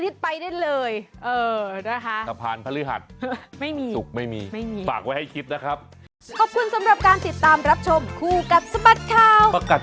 สะพานพุทธแต่ว่าคุณไปได้ทุกวัน